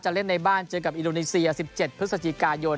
เล่นในบ้านเจอกับอินโดนีเซีย๑๗พฤศจิกายน